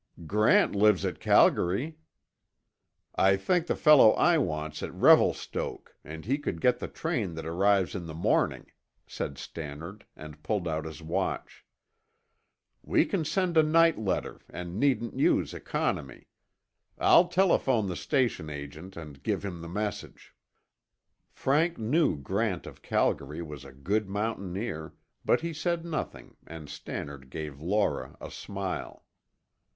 "Grant lives at Calgary." "I think the fellow I want's at Revelstoke and he could get the train that arrives in the morning," said Stannard, and pulled out his watch. "We can send a night letter and needn't use economy. I'll telephone the station agent and give him the message." Frank knew Grant of Calgary was a good mountaineer, but he said nothing and Stannard gave Laura a smile.